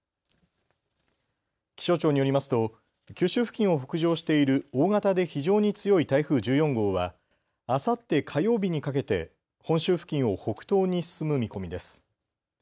気象庁によりますと九州付近を北上している大型で非常に強い台風１４号はあさって火曜日にかけて本州付近を北東に進む見込みです。